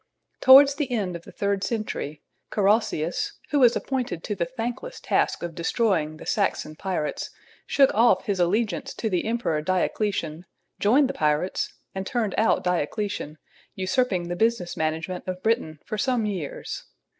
Towards the end of the third century Carausius, who was appointed to the thankless task of destroying the Saxon pirates, shook off his allegiance to the emperor Diocletian, joined the pirates and turned out Diocletian, usurping the business management of Britain for some years.